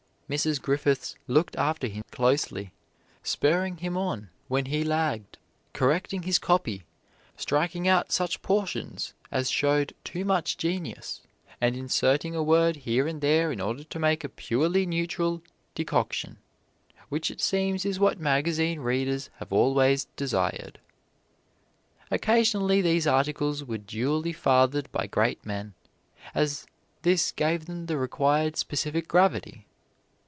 Mrs. Griffiths looked after him closely, spurring him on when he lagged, correcting his copy, striking out such portions as showed too much genius and inserting a word here and there in order to make a purely neutral decoction, which it seems is what magazine readers have always desired. Occasionally these articles were duly fathered by great men, as this gave them the required specific gravity.